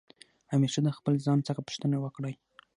همېشه د خپل ځان څخه پوښتني وکړئ.